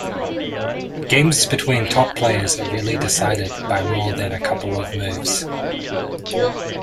Games between top players are rarely decided by more than a couple of moves.